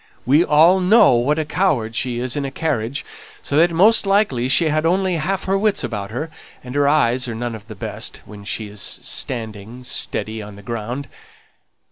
"We all know what a coward she is in a carriage, so that most likely she had only half her wits about her, and her eyes are none of the best when she is standing steady on the ground.